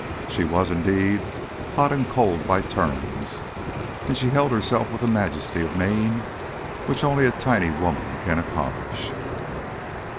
She was, indeed, hot and cold by turns, and she held herself with a majesty of mien which only a tiny woman can accomplish.